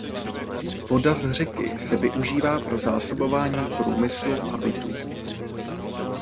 Voda z řeky se využívá pro zásobování průmyslu a bytů.